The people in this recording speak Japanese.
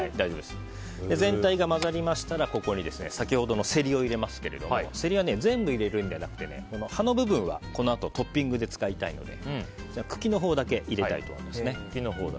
全体が混ざりましたら、ここに先ほどのセリを入れますけれどもセリは全部入れるのではなくて葉の部分は、このあとトッピングで使いたいので茎のほうだけ入れたいと思います。